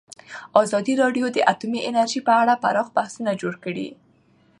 ازادي راډیو د اټومي انرژي په اړه پراخ بحثونه جوړ کړي.